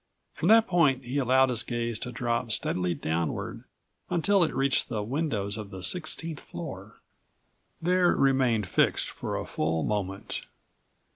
From that point he allowed his gaze to drop steadily downward until it reached the windows of the sixteenth floor. There it remained fixed for a full moment.